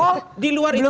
jangan dulu masuk ke sana